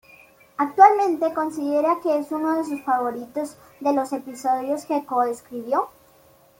Actualmente, considera que es uno de sus favoritos de los episodios que co-escribió.